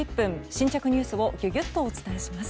新着ニュースをギュギュッとお伝えします。